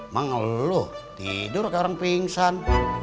mengeluh tidur kayak orang pingsan